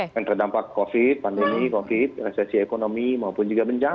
yang terdampak covid pandemi covid resesi ekonomi maupun juga bencana